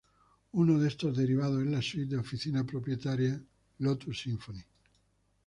Uno de estos derivados es la suite de oficina propietaria Lotus Symphony.